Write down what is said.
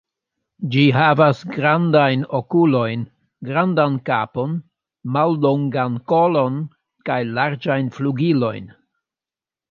Ĝi havas grandajn okulojn, grandan kapon, mallongan kolon kaj larĝajn flugilojn.